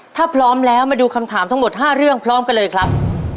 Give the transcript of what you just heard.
ถ้าพร้อมแล้วมาดูคำถามทั้งหมด๕เรื่องพร้อมกันเลยครับ